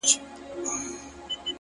• تر دې نو بله ښه غزله کتابي چیري ده،